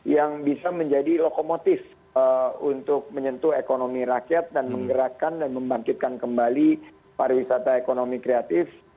yang bisa menjadi lokomotif untuk menyentuh ekonomi rakyat dan menggerakkan dan membangkitkan kembali pariwisata ekonomi kreatif